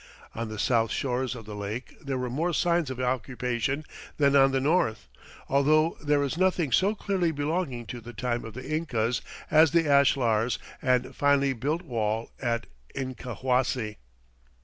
On the south shores of the lake there were more signs of occupation than on the north, although there is nothing so clearly belonging to the time of the Incas as the ashlars and finely built wall at Incahuasi.